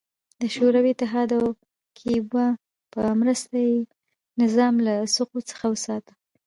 د شوروي اتحاد او کیوبا په مرسته یې نظام له سقوط څخه وساته.